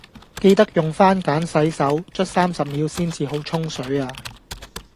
記得用番梘洗手，捽三十秒先至好沖水呀